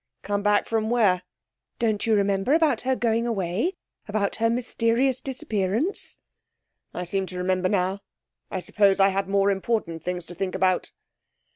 'Come back from where?' 'Don't you remember about her going away about her mysterious disappearance?' 'I seem to remember now. I suppose I had more important things to think about.'